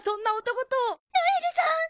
ノエルさん！